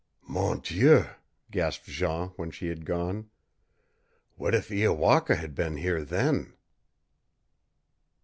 "Mon Dieu!" gasped Jean when she had gone. "What if Iowaka had been here then?"